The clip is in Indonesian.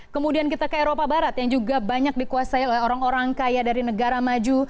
kemudian kita ke eropa barat yang juga banyak dikuasai oleh orang orang kaya dari negara maju